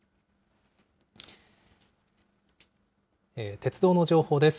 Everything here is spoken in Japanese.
鉄道の情報です。